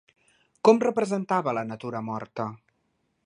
Com representava la natura morta?